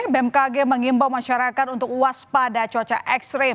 bmkg mengimbau masyarakat untuk waspada cuaca ekstrim